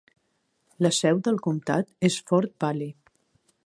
La seu del comtat és Fort Valley.